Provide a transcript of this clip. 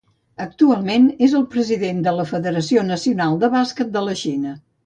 Actualment és el president de la Federació Nacional de Bàsquet de la Xina.